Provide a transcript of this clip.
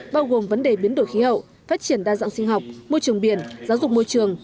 bao gồm vấn đề biến đổi khí hậu phát triển đa dạng sinh học môi trường biển giáo dục môi trường